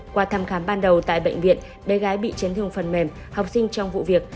qua thăm khám ban đầu tại bệnh viện bé gái bị chấn thương phần mềm học sinh trong vụ việc